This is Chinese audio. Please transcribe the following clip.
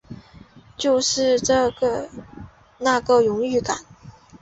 就是那个荣誉感